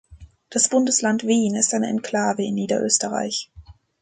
Das Bundesland Wien ist eine Enklave in Niederösterreich.